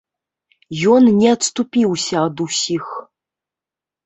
Ён не адступіўся ад усіх.